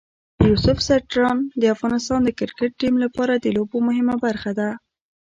یوسف ځدراڼ د افغانستان د کرکټ ټیم لپاره د لوبو مهمه برخه ده.